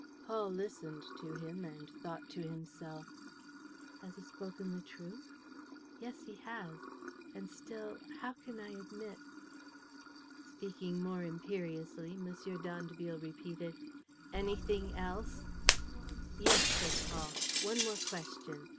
Paul listened to him and thought to himself: "Has he spoken the truth? Yes, he has; and still how can I admit ...?" Speaking more imperiously, M. d'Andeville repeated: "Anything else?" "Yes," said Paul, "one more question.